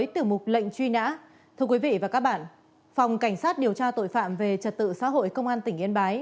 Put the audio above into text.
thưa quý vị và các bạn phòng cảnh sát điều tra tội phạm về trật tự xã hội công an tỉnh yên bái